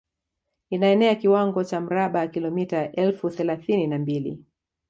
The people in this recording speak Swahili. Inaenea kiwango cha mraba kilometa elfu thelathini na mbili